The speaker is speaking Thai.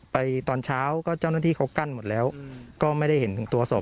ตอนเช้าก็เจ้าหน้าที่เขากั้นหมดแล้วก็ไม่ได้เห็นถึงตัวศพ